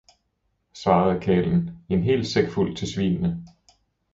svarede karlen, en hel sækfuld til svinene!